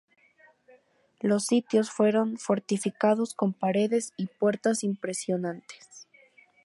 Los sitios fueron fortificados con paredes y puertas impresionantes.